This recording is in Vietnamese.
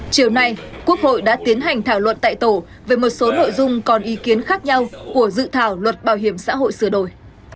chiều nay quốc hội đã tiến hành thảo luận tại tổ về một số nội dung còn ý kiến khác nhau của dự thảo luật bảo hiểm xã hội sửa đổi